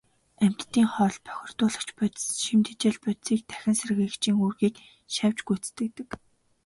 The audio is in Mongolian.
Амьтдын хоол, бохирдуулагч бодис, шим тэжээлт бодисыг дахин сэргээгчийн үүргийг шавж гүйцэтгэдэг.